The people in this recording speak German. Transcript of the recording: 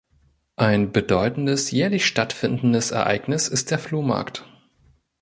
Ein bedeutendes jährlich stattfindendes Ereignis ist der Flohmarkt.